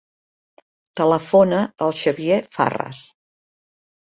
Telefona al Xavier Farras.